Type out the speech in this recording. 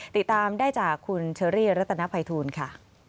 ติดตามได้จากคุณเชอรี่รัตนภัยทูลค่ะ